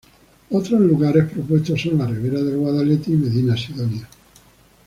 Otros lugares propuestos son la ribera del Guadalete y Medina Sidonia.